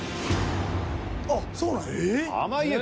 あっそうなんや。